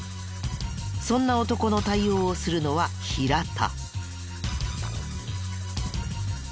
そんな男の対応をするのは平田。